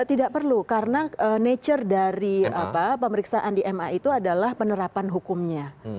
tidak perlu karena nature dari pemeriksaan di ma itu adalah penerapan hukumnya